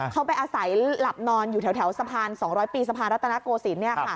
เขาไปอาศัยหลับนอนอยู่แถวสะพาน๒๐๐ปีสะพานรัตนโกศิลป์